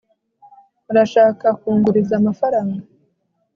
urashaka kunguriza amafaranga